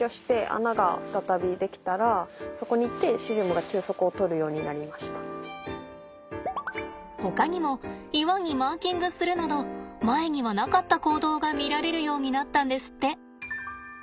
擬岩の穴があったんですけどほかにも岩にマーキングするなど前にはなかった行動が見られるようになったんですって。